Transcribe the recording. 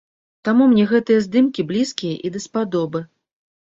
Таму мне гэтыя здымкі блізкія і даспадобы.